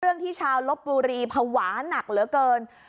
ที่ชาวลบบุรีภาวะหนักเหลือเกิน